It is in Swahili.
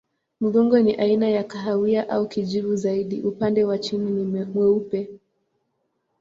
Mgongo ni aina ya kahawia au kijivu zaidi, upande wa chini ni mweupe.